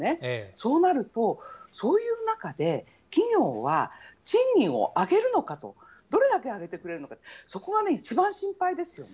そうなると、そういう中で企業は賃金を上げるのかと、どれだけ上げてくれるのか、そこが一番心配ですよね。